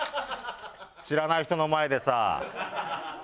知らない人の前でさ。